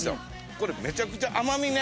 これめちゃくちゃ甘みね。